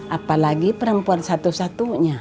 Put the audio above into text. apalagi perempuan satu satunya